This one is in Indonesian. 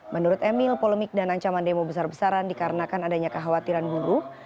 menurut emil polemik dan ancaman demo besar besaran dikarenakan adanya kekhawatiran buruh